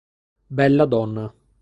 Bella Donna